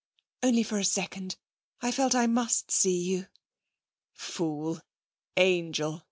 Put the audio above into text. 'Only for a second; I felt I must see you.' 'Fool! Angel!'